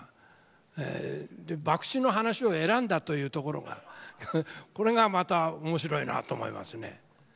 で博打の噺を選んだというところがこれがまた面白いなと思いますね。